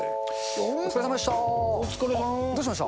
お疲れさまでした。